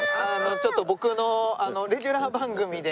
ちょっと僕のレギュラー番組で。